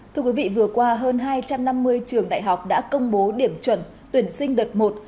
thưa quý vị vừa qua hơn hai trăm năm mươi trường đại học đã công bố điểm chuẩn tuyển sinh đợt một